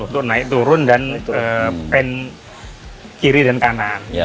untuk naik turun dan pen kiri dan kanan